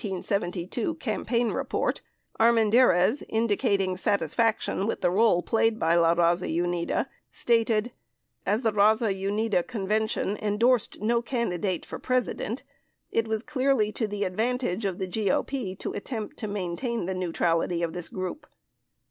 400 In his November 14, 1972, campaign report, 42 Armendariz, indicat ing satisfaction with the role played by La Eaza Unida, stated : As the Raza Unida convention endorsed no candidate for President, it was clearly to the advantage of the GOP to attempt to maintain the neutrality of this group.